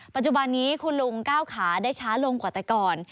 ปัจจุบันนี้คุณลุงก้าวขาได้ช้าลงกว่าแต่ก่อน